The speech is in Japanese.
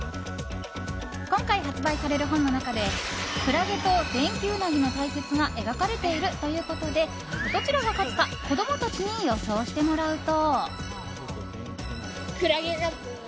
今回発売される本の中でクラゲとデンキウナギの対決が描かれているということでどちらが勝つか子供たちに予想してもらうと。